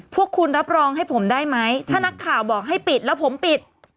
พวกคุณรับรองให้ผมได้ไหมถ้านักข่าวบอกให้ปิดแล้วผมปิด